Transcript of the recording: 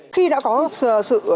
khi đã có sự